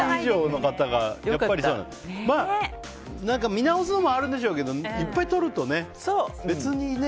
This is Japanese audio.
見直すのもあるんでしょうけどいっぱい撮るとね、別にね。